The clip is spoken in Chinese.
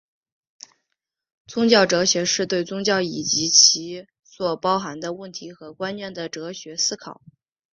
宗教哲学是对宗教以及其所包含的问题和观念的哲学思考。